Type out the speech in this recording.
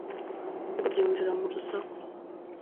imfubyi yumvira mu rusaku